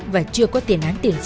và chưa có tiền án tiền sự